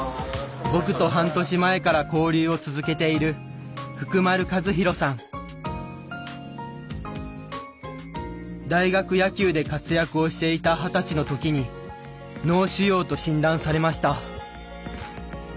僕と半年前から交流を続けている大学野球で活躍をしていた二十歳の時に脳腫瘍と診断されました。